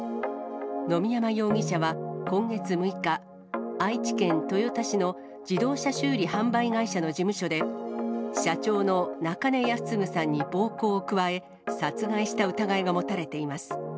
野見山容疑者は、今月６日、愛知県豊田市の自動車修理・販売会社の事務所で、社長の中根康継さんに暴行を加え、殺害した疑いが持たれています。